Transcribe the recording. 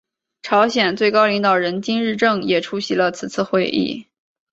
朝鲜最高领导人金正日也出席了此次会议。